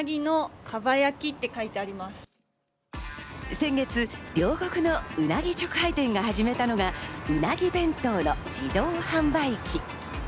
先月、両国のうなぎ直売店が始めたのが、うなぎ弁当の自動販売機。